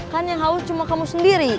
kan yang haul cuma kamu sendiri